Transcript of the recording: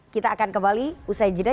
kita akan kembali usai jeda